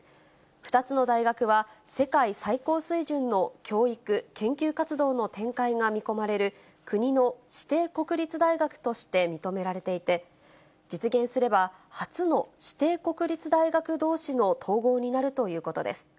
２つの大学は、世界最高水準の教育・研究活動の展開が見込まれる、国の指定国立大学として認められていて、実現すれば、初の指定国立大学どうしの統合になるということです。